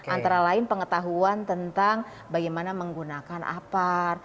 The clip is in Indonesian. antara lain pengetahuan tentang bagaimana menggunakan apar